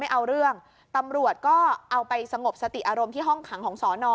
เอาเรื่องตำรวจก็เอาไปสงบสติอารมณ์ที่ห้องขังของสอนอ